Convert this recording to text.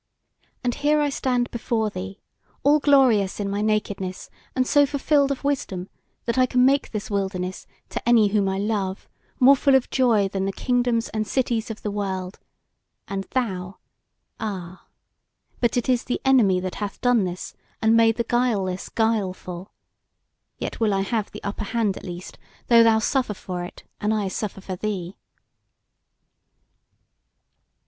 And here I stand before thee, all glorious in my nakedness, and so fulfilled of wisdom, that I can make this wilderness to any whom I love more full of joy than the kingdoms and cities of the world and thou! Ah, but it is the Enemy that hath done this, and made the guileless guileful! Yet will I have the upper hand at least, though thou suffer for it, and I suffer for thee."